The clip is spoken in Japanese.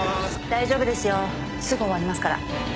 大丈夫ですよすぐ終わりますから